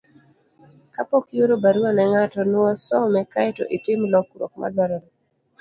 Kapok ioro barua ne ng'ato, nuo some kae to itim lokruok madwarore.